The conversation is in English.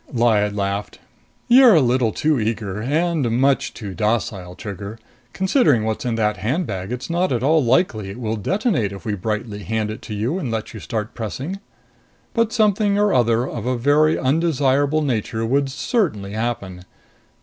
Lyad laughed. "You're a little too eager. And much too docile, Trigger! Considering what's in that handbag, it's not at all likely it will detonate if we brightly hand it to you and let you start pressing. But something or other of a very undesirable nature would certainly happen!